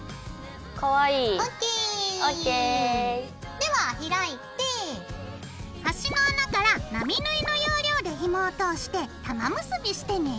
かわいい！ＯＫ！ＯＫ！では開いて端の穴から並縫いの要領でひもを通して玉結びしてね。